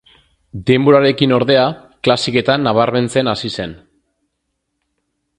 Denborarekin, ordea, klasiketan nabarmentzen hasi zen.